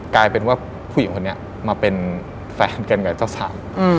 กลายเป็นว่าผู้หญิงคนนี้มาเป็นแฟนกันกับเจ้าสาว